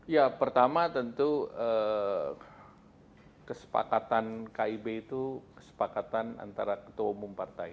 ya pertama tentu kesepakatan kib itu kesepakatan antara ketua umum partai